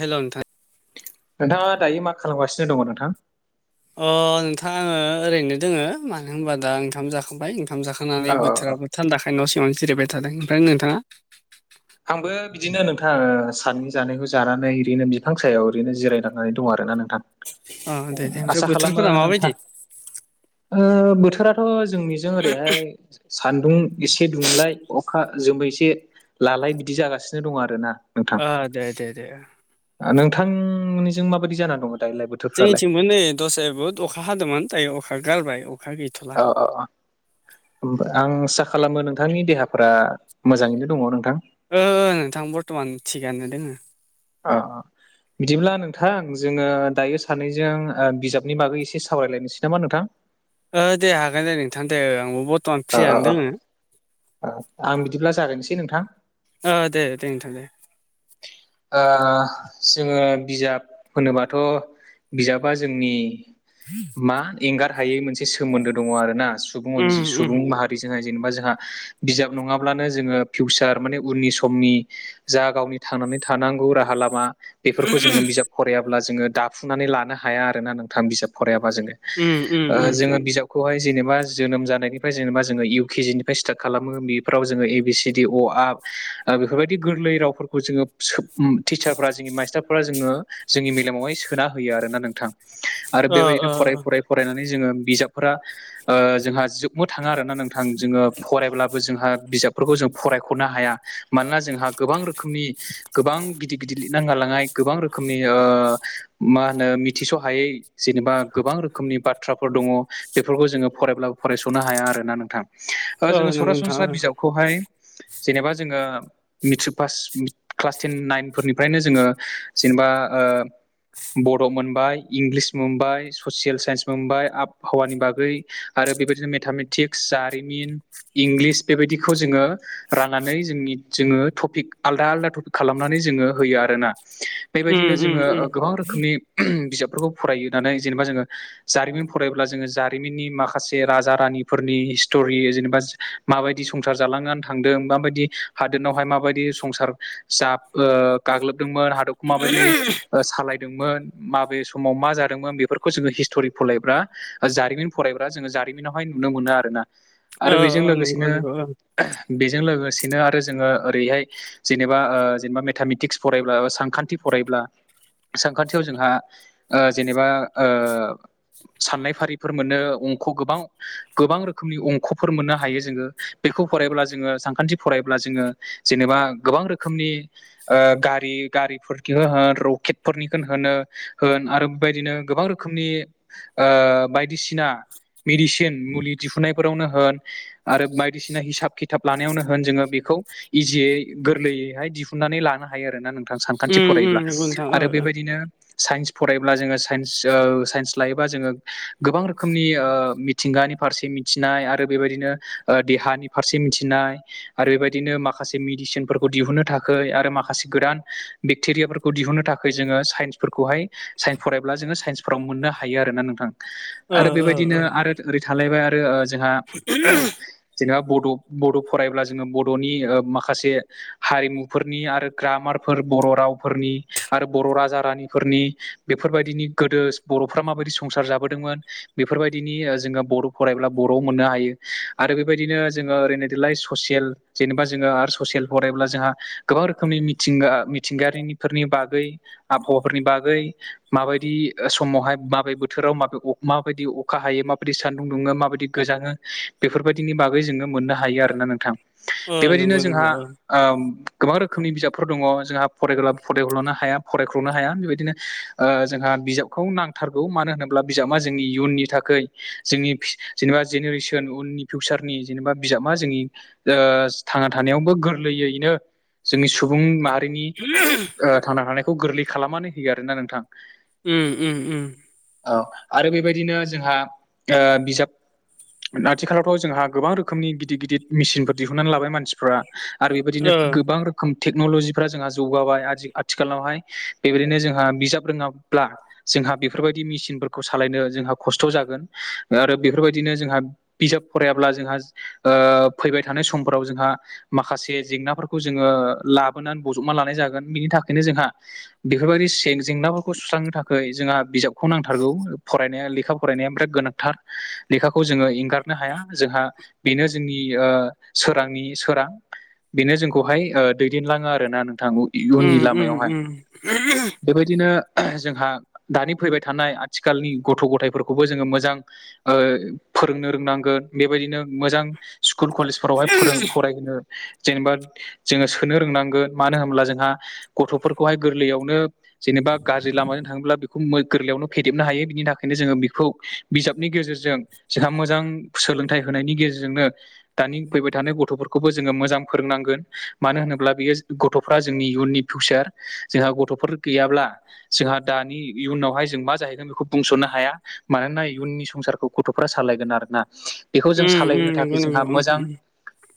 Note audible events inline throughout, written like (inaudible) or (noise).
Hello नोंथां नोंथाङा दायो मा खालामगासिनो दङ नोंथां? अ नोंथां आङो ओरैनो दोङो मानो होनबा दा ओंखाम जाखांबाय ओंखाम जाखां थांनानै औ औ औ बोथोराबो थानदाखाय न' सिङावनो जिरायबाय थादों ओमफ्राय नोंथाङा आंबो बिदिनो नोंथां ओ साननि जानायखौ जानानै ओरैनो बिफां सायाव ओरैनो जिरायनानै दं आरो ना नोंथां अ दे दे ओ ओमफ्राय आसा खालामो बोथोरफोरा माबायदि नोंथां ओ बोथोराथ' जोंनिजों ओरैहाय सान्दुं एसे दुंलाय अखा ओ जोमै एसे लालाय बिदि जागासिनो दं आरो ना। नोंथां ओ दे दे दे ओ नोंथांमोनिजों माबायदि जाना दङ दायो बोथ जोंनिथिंबो नै दस्राया बहुत अखा हादोंमोन दायो अखा गारबाय अखा गै अ अ अ आं आसा खालामो नोंथांनि देहाफोरा मोजाङैनो दङ नोंथां। ओ नोंथां बर्थमान थिगानो दोङो। अ अ बिदिब्ला नोंथां जोङो दायो सानैजों ओ बिजाबनि बागै एसे सावरायलायनोसै नामा नोंथां? ओ दे हागोन दे नोंथां दे ओं आंबो बहुत ओ ओ ओ ओ आं बिदिब्ला जागायनोसै नोंथां ओ दे दे नोंथां दे। ओ जोङो बिजाब होनोबाथ बिजाबा जोंनि (inaudible) मा एंगार हायै मोनसे सोमोन्दो दङ आरो ना सुबुं उम अनजि उम सुबुं माहारिजोंहाय जेनेबा जोंहा बिजाब नङाब्लानो जोङो फिउसार माने उननि समनि जा गावनि थांनानै थानांगौ राहा लामा बेफोरखौ जोङो बिजाब फरायाब्ला जोङो दाफुंनानै लानो हाया आरो ना नोंथां बिजाब फरायाबा जोङो उम उम ओ उम जोङो बिजाब खौहाय जेनेबा जोनोम जानायनिफ्राय जेनेबा जोङो इउ के जि निफ्राय स्टार्ट खालामो बेफोराव जोङो ए बि सि डि अ आ ओ बेफोरबायदि गोरलै रावफ खौ जोङो टिचारफ्रा जोंनि मास्टारफ्रा जोङो जोंनि मेलेमावहाय सोना होयो आरोना नोंथां। आरो ओ बेबायदिनो ओ फराय फराय फरायनानै जोङो बिजाबफोरा ओ जोंहा जोब बो थाङा आरोना नोंथां जोङो फरायब्लाबो जोंहा बिजाबफोरखौ जों फरायखनो हाया मानोना जोंहा गोबां रोखोमनि गोबां गिदिर गिदिर लिरनां नांलाय ओ गोबां रोखोमनि ओ मा होनो मिथिसहायै जेनेबा गोबां रोखोमनि बाथ्राफ दङ बेफोरखौ जोङो फरायब्लाबो फरायसनो हाया आरोना नोंथां ओ जोङो नंगौ नोंथां सरासनस्रा ओ बिजाबख खौहाय जेनेबा जोङो मेट्रिक पास क्लास टेन नाइनफोरनिफ्रायनो जोङो जेनेबा ओ बड मोनबाय इंलिस मोनबाय ससियेल साइन्स मोनबाय आबहावानि बागै आरो बेबायदिनो मेथामेटिक्स जारिमिन। इंलिस बेबायदिखौ जोङो राननानै जोंनि जोङो टपिक आलदा आलद खालामनानै जोङो होयो आरोना उम बेबायदिनो उम जोङो उम गोबां रोखोमनि बिजाबफोरखौ फराय होनानै जेनेबा जोङो जारिमिन फरायब्ला जोङो जारिमिननि माखासे राजा रानिफोरनि हिस्टरि जेनेबा माबायदि संसार जालांनानै थांदों माबायदि हादोरनावहाय माबायदि स संसार जाब ओ गाग्लोबदोंमोन हादरखौ माबायदि ओ सालायदोंमोन। माबे समाव मा जादोंमोन बेफोरखौ जोङो हिस्टरि फरायब्रा जारिमिन फरायब्रा जोङो जारि मिनावहाय नुनो मोनो आरोना ओ आरो बेजों ओ नंगौ लोगोसेनो नंगौ ओ बेजों लोगोसेनो आरो जोङो ओरैहाय जेनेबा ओ जेनेबा मेथामेटिक्स फरायब्लाा सानखान्थि फरायब्ला सानखान्थियाव जोंहा ओ जेनेबा ओ साननाय फारिफोर मोनो अंख गोबां गोबां रोखोमनि अंख'फोर मोननो हायो जोङो बेखौ फरायब्ला जोङो सानखान्थि फरायब्ला जोङो जेनेबा गोबां रोखोमनि ओ गारि गारिफुरखिखो होन रकेटफोरनिखोनो होनो। होन आरो बेबायदिनो गोबां रोखोमनि ओ बायदिसिना मिडिसिन मुलि दिहुननायफोरावनो होन आरो बायदिसिना हिसाब खिथाब लानायावनो होन जोङो बेखौ इजियै गोरलैयैहाय दिहुननानै लानो हायो आरोना नोंथां सानखान्थि उम उम फरायोब्ला नंगौ नोंथां ओ आरो बेबायदिनो साइयेन्स फरायब्ला जोङो साइयेन्स ओ साइयेन्स लायोबा जोङो गोबां रोखोमनि ओ मिथिंगानि फारसे मिथिनाय आरो बेबायदिनो ओ देहानि फारसे मिथिनाय आरो बेबायदिनो माखासे मि मिडिसिनफोरखौ दिहुननो थाखाय आरो माखासे गोदान बेक्टेरियाफोरखौ दिहुननो थाखाय जोङो साइयेन्स फोरखौहाय साइयेन्स फरायब्ला जोङो साइयेन्सफोराव मोननो हायो आरोना नोंथां। ओ आरो ओ बेबायदिनो ओ आरो ओरै थालायबाय आरो जोंहा जेनबा बडफ बड' फरायब्ला जोङो बड'नि ओ माख खासे हारिमुफोरनि आरो ग्रामारफोर बर' रावफोरनि आरो बर' राजा रानिफोरनि बेफोरबायदिनि गोदो बर'फ्रा माबायदि संसार जाबोदोंमोन। बेफोरबायदिनि जोङो बर' फरायब्ला बर'आव मोननो हायो आरो बेबायदिनो जोङो ओरैनो देलाय ससियेल जेनबा जोङो‌ आर स ससेल फायब्ला जोंहा गोबां रोखोमनि मिथिंगा मिथिंगायारनिफोरनि बागै आबहावाफोरनि बागै माबायदि समावहाय माबे बोथोराव माब माबायदि अखा हायो माबायदि सान्दुं दुङो माबायदि गोजाङो बेफोरबायदिनि बागै जोङो मोननो हायो आरोना नोंथां। ओ बेबायदिनो नंगौ जोंहा नंगौ ओ गोबां रोखोमनि बिजाबफोर दङ जोंहा फरायबाबो फरायख'नो हाया फरायखल'नो हाया बेबायदिनो जोंहा बिजाबखौ नांथारगौ मानो होनोब्ला बिजाबा जोंनि इयुननि थाखाय जोंनि जेनेबा जेनेरेसन उननि फिउचारनि जेनेबा बिजाबा जोंनि थांना थानायावबो गोरलैयैनो जोंनि सुबुं माहारिनि ओ थांना थानायखौ गोरलै खालामनानै होयो आरोना नोंथां। उम उम उम। औ आरो बेबायदिनो जोंहा ओ बिजाब आथिखालावथ' जोंहा गोबां रोखोमनि गिदिर गिदिर मेसिनफोर दिहुननानै लाबाय मानसिफ्रा आरो ओ बेबायदिनो गोबां टेक्न'ल'जिफ्रा जोंहा जौगाबाय आजि- आथिखालावहाय बेबायदिनो जोंहा बिजाब रोङाब्ला जोंहा बेफोरबायदि मेसिनफोरखौ सालायनो जोंहा खस्थ' जागोन आरो बेफोरबायदिनो जोंहा बिजाब फरायाब्ला जोंहा ओ फैबाय थानाय समफोराव जोंहा माखासे जे जेंनाफोरखौ जोङो लाबोनानै बजबना लानाय जागोन बिनि थाखायनो जोंहा बेफोरबायदि जेंनाफोरखौ सुस्रांनो थाखाय जोंहा बिजाबखौ नांथारगौ फरायनाया लेखा फरायनाया बिराद गोनांथार लेखाखौ जोङो एंगारनो हाया जोंहा बेनो जोंनि ओ सोरांनि सोरां बेनो जोंखौहाय ओ दैदेनलाङो आरो ना नोंथां इयुननि उम उम लामायावहाय। उम बेबायदिनो जोंहा दानि फैबाय थानाय आथिखालनि गथ' गथायाइफोरखौबो जोङो मोजां ओ फोरोंनो रोंनांगोन बेबायदिनो मोजां। स्कुल कलेजफोरावहाय फोरों फरायहोनो जेनेबा जोङो सोनो रोंनांगोन मानो होनब्ला जोंहा गथ'फोरखौहाय गोरलैयावनो जेनेबा गाज्रि लामाजों थाङोब्ला बेखौ गोरलैयावनो फेदेबनो हायो बिनि थाखायनो जोङो बेखौ बिजाबनि गेजेरजों। जोंहा मोजां सोलोंथाइ होनायनि गेजेरजोंनो दानि फैबाय थानाय गथ'फोरखौबो जोङो मोजां। फोरोंनांगोन मानो होनोब्ला बेयो गथ'फ्रा जोंनि इयुननि फिउचार जोंहा गथ'फोर गैयाब्ला। जोंहा दानि इयुनावहाय जों मा जाहैगोन बेखौ बुंस'नो हाया। मानोना इयुननि संसारखौ गथ'फोरा सालायगोन आरोना। बेखौ जों उम उम सालायहोनो थाखाय नंगौ जोंहा नंगौ उम मोजां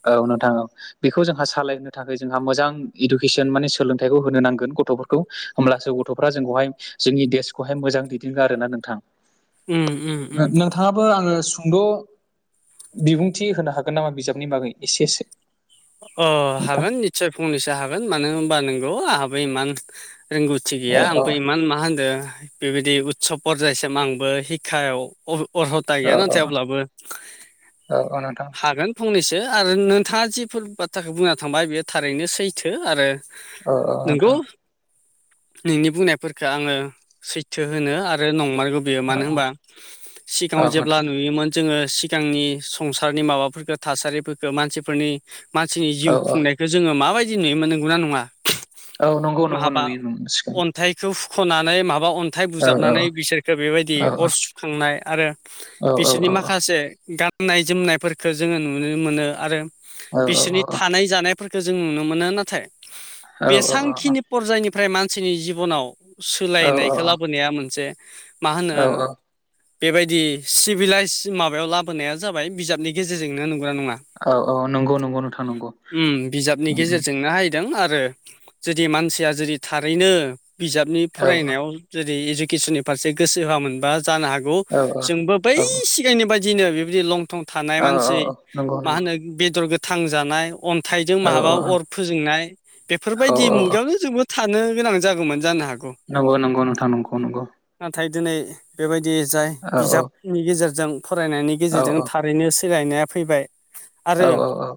औ नोंथां औ। बेखौ जोंहा सालायहो थाखाय जोंहा मोजां इडुकेसन माने सोलोंथाइखौ होनो नांगोन गथ'फोरखौ। होमब्लासो गथ'फ्रा जोंखौहाय जोंनि देशखौहाय मोजां दैदेनगोन आरोना नोंथां। उम उम उम। नोंथांङाबो आङो सुंद' बिबुंथि होनो हागोन नामा बिजाबनि बागै एसेसो? अ नोंथां हागोन निस्सय फंनैसो हागोन मानो होनोमबा नोंगौ आंहाबो इमान रोंगौथि औ गैया औ आंबो इमान मा होनदों बेबायदि उत्सब परजायसिम आंबो हिक्षायाव अह अर्हथा गैया औ औ नाथाय अब्लाबो औ औ नोंथां हागोन। फंनैसो आरो नोंथाङा जिफोर बाथ्राखौ बुंना थांबाय बेयो थारैनो सैथो आरो औ औ नंगौ। नोंथां नोंनि बुंनायफोरखो आङो सैथो होनो आरो नंमारग। बेयो औ मानो औ होनबा सिगाङाव औ जेब्ला नोंथां नुयोमोन जोङो सिगांनि संसारनि माबाफोरफोरखो थासारिफोरखो मानसिफोरनि मानसिनि जिउ औ औ खुंनायखौ जोङो माबायदि नुयोमोन नंगौ ना नङा? औ नंगौ नंगौ नुयो न सिगां बेखौ सुख'नानै माबा अन्थाइ औ औ बुजाबनानै बिसोरखो बेबायदि औ अर सुखांनाय आरो औ औ बिसोरनि औ माखासे गाननाय जोमनायफोरखौ जोङो नुनो मोनो आरो औ औ बिसोरनि थानाय जानायफोरखौ जों नुनो मोनो नाथाय बेसांखिनि परजायनि ओमफ्राय मानसिनि जिबनाव सोलायनायखौ लाबोनाया मोनसे मा होनो औ बेबायदि सिभिलाइस माबायाव लाबोनाया जाबाय बिजाबनि गेजेरजोंनो नंगौ नङा? औ औ नंगौ नंगौ। नोंथां नंगौ उम बिजाबनि उम उम गेजेरजोंनो हायदों आरो जुदि मानसिया जुदि थारैनो बिजाबनि औ औ फरायनायाव जेरै इडुकेसननि फारसे गोसो होआ मोनबा जानो हागौ औ जोंबो बै औ एखेनि बायदिनो बेबायदि लंथं थानाय औ औ मानसि नंगौ मा नंगौ होनो बेदर गोथां जानाय अन्थाइजों औ माबा औ अर फोजोंनाय औ बेफोरबायदि औ औ मुगायावनो जोबोद थानो गोनां जागौमोन जानो हागौ। नंगौ नंगौ नोंथां नंगौ नंगौ। नाथाय दिनै बेबायदि जाय औ औ बिजाबनि गेजेरजों फरायनायनि औ गेजेरजों थार ओरैनो सोलायनाया फैबाय औ आरो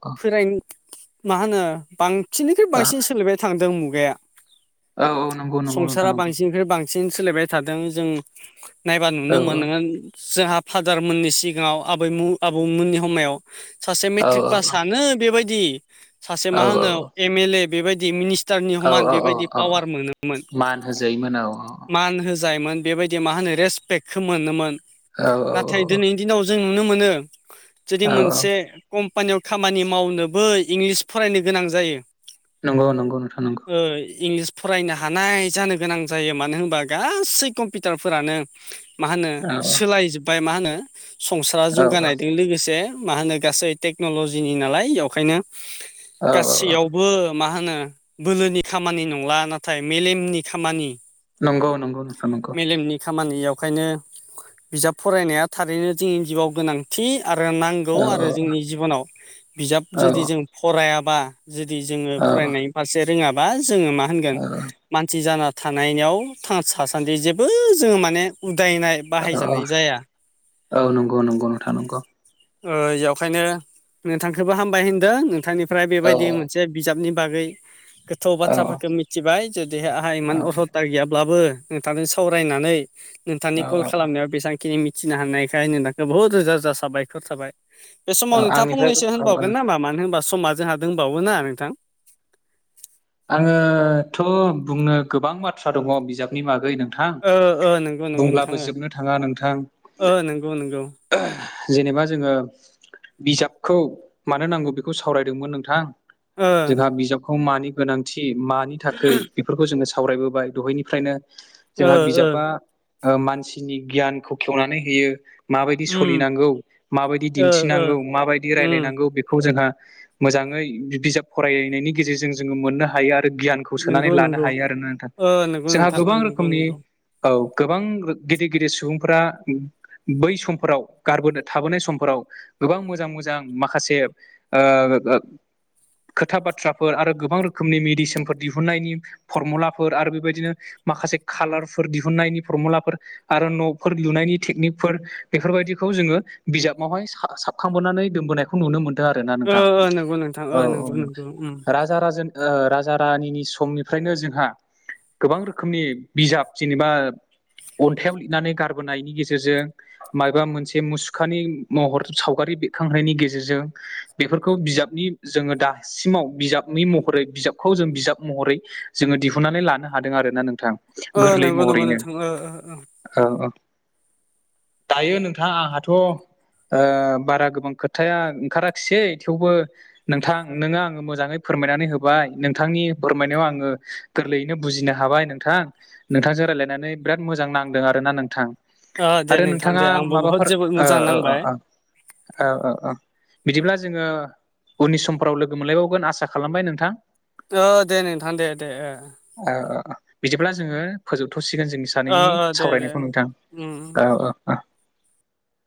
औ सोराय मा होनो बांसिननिख्रुइ बांसिन सोलिबाय थांदों मुगाया। औ नंगौ नंगौ नोंथां संसारा नंगौ बांसिननिफ्राय बां सिन सोलायबाय थादों जों नायबा नुनो औ मोनोन जोंहा फादारमोननि सिगाङाव आबै मु आबौमोननि समायाव सासे औ मेट्रिक पास बेबायदि सासे औ मा होनो एम एल ए बेबायदि मिनि टारनि हमान औ औ बेबायदि औ पावार मोनोमोन मान होजायोमोन औ औ मान होजायोमोन बेबायदि मा होनो रेसपेक्टखौ मोनोमोन औ नाथाय दिनैनि दिनाव जों नुनो मोनो जुदि औ औ मोनसे कम्पानियाव खामानि मावनोबो इंलिस फरायनो गोनां जायो। नंगौ नंगौ नोंथां नंगौ। ओ इंलिस फरायनो हानाय जानो गोनां जायो मानो होनबा गासै कम्पिउटारफोरानो मा होनो औ औ सोलायजोब्बाय मा होनो संसारा औ औ औ जौगानायदों लोगोसे मा होनो गासै टेक्न'ल'जिनि नालाय वेवखायनो औ गासैयाव बो मा होनो बोलोनि खामानि नंला नाथाय मेलेमनि खामानि नंगौ नंगौ नोंथां नंगौ। मेलेमनि खामानियावखायनो बिजाब फरायनाया थारैनो जोंनि जिउआव गोनांथि आरो नां गौ औ आरो जोंनि जिबनाव बिजाब औ जुदि जों फरायाबा जुदि जोङो औ फरायनाय फारसे रोङाबा जोङो मा होनगोन मानसि जाना थानायनियाव थांना सासान्दि जेबो जोङो माने उदायनाय औ बाहायजानाय जाया औ नंगौ नंगौ नोंथां नंगौ। ओ जेवखायनो नोंथांखौबो हामबाय होनदों नोंथांनिफ्राय औ बेबायदि मो नसे बिजाबनि बागै गोथौ औ बाथ्राफोरखौ मिथिबाय जुदि आंहा औ इमान अरहथा गैयाब्लाबो नोंथांजों सावरायनानै नोंथांनि औ कल खालामनायाव बेसेबांखिनि मिथिनो हानायखाय नोंथांखौ बहुत रोजा रोजा साबायखर थाबाय बे समाव नोंथाङा आंनिफ्राय फंनैसो औ औ होनबावगोन नामा मानो होनबा समा जोंहा दंबावोना नोंथां। आङोथ' बुंनो गोबां बाथ्रा दङ बिजाब नि बागै नोंथां ओ ओ नंगौ नंगौ नोंथां बुंब्लाबो जोबनो थाङा नोंथां। ओ नंगौ नंगौ जेनेबा जोङो बिजाबखौ मानो नांगौ बेखौ सावरायदोंमोन नोंथां। ओ जोंहा बिजाबखौ मानि गोनांथि मानि थाखै बेफोरखौ जोङो सावरायबोबाय दहायनिफ्रायनो ओ जोंहा ओ बिजाबा ओ मानसिनि गियानखौ खेवनानै होयो माबायदि उम सलिनांगौ माबायदि ओ ओ दिन्थिनांगौ माबायदि उम रायलायनांगौ बेखौ जोंहा मोजाङै बिजाब फरायनायनि गेजेरजों जोङो मोननो हायो आरो गियान खौ सोनानै नंगौ लानो नंगौ हायो आरोना नोंथां ओ नंगौ जोंहा नोंथां ओ गोबां नंगौ रोखोमनि नंगौ औ गोबां गिदिर गिदिर सुबुंफोरा बै समफोराव गारबोनो थाबोनाय समफोराव गोबां मोजां मोजां माखासे ओ खोथा बाथ्राफोर आरो गोबां रोखोमनि मेडिसिनफोर दिहुननायनि फरमुलाफोर आरो बेबायदिनो माखासे खाालारफोर दिहुननायनि फरमुलाफोर आरो न'फोर लुनायनि टेकनिकफोर बेफोरबायदिखौ जोङो बिजाबावहाय साबखांबोनानै दोनबोनायखौ खौ नुनो मोनदों आरो ना ओ नोंथां ओ नंगौ नोंथां ओ औ औ नंगौ नंगौ उम राजा राजा रानिनि समनिफ्रायनो जोंहा गोबां रोखोमनि बिजाब जेनेबा अन्थायाव लिरनानै गारबोनायनि गेजेरजों माबेबा मोनसे मुसुखानि महर सावगारि बेरखांनायनि गेजेरजों बेफोरखौ बिजाबनि जोङो दासिमाव बिजाब नि महरै बिजाबखौ जों बिजाब महरै जोङो दिहुनन्नानै लानो हादों आरोना नोंथां गोरलै नंगौ नंगौ महरैनो नोंथां औ औ औ औ औ दायो नोंथां आंहाथ' बारा गोबां खोथाया ओंखाराखिसै थेवबो नोंथां नोङो आङो मोजाङै फोरमायनानै होबाय नोंथांनि फोरमायनायाव आङो गोरलैयैनो बुजिनो हाबाय नोंथां नोंथांजों रायज्लायनानै बिराद मोजां नांदों आरोना नोंथां ओ दे आरो नोंथां नोंथाङा दे आंबो बुहुद माबाफोर जोबोद मोजां नांबाय औ औ औ बिदिब्ला जोङो उननि समफोराव लोगो मोनलायबावगोन आसा खालामबाय नोंथां औ दे नोंथां दे दे बिदिब्ला जोङो फोजोबथ'सिगोन जोंनि सायाव ओ सानैनि ओ दे दे सावरायनायखौ नोंथां उम औ